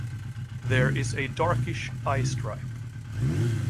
There is a darkish eye stripe.